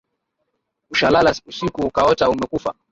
Ushalala usiku ukaota umekufa?